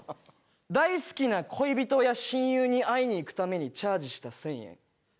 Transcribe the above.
大好きな恋人や親友に会いに行くためにチャージした１０００円。